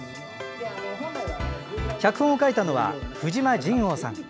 脚本を書いたのは藤間仁凰さん。